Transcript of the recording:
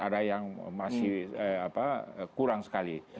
ada yang masih kurang sekali